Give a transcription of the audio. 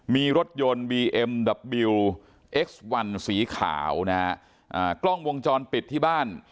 มีรถยนต์บีเอ็มดับบิลเอ็กซ์วันสีขาวนะฮะอ่ากล้องวงจรปิดที่บ้าน